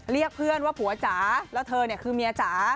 เรียกเพื่อนว่าผัวจ๋าแล้วเธอเนี่ยคือเมียจ๋า